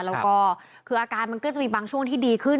แล้วก็คืออาการมันก็จะมีบางช่วงที่ดีขึ้น